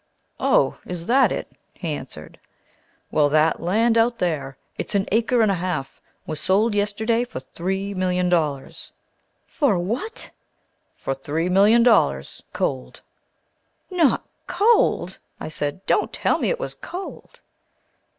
"Oh, is that it," he answered. "Well, that land out there, it's an acre and a half, was sold yesterday for three million dollars!!" "For what!" "For three million dollars, cold." "Not COLD!" I said, "don't tell me it was cold."